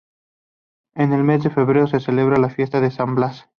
En el mes de febrero se celebra la fiesta de San Blas.